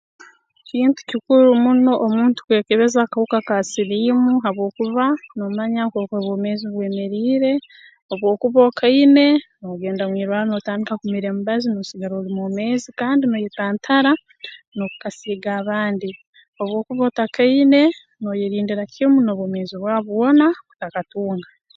Kintu kikuru muno omuntu kwekebeza akahuka ka siliimu habwokuba noomanya nkooku obwomeezi bwemeriire obu okuba okaine noogenda mu irwarro nootandika kumira emibazi noosigara oli mwomeezi kandi nooyetantara n'okukasiiga abandi obu okuba otakaine nooyerindira kimu n'obwomeezi bwawe bwona kutakatunga